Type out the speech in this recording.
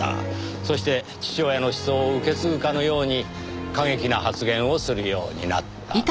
そして父親の思想を受け継ぐかのように過激な発言をするようになった。